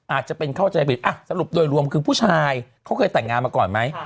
อาจจะเป็นเข้าใจผิดสรุปโดยรวมคือผู้ชายเขาเคยแต่งงานมาก่อนไหม